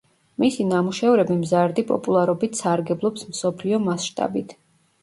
მისი ნამუშევრები მზარდი პოპულარობით სარგებლობს მსოფლიო მასშტაბით.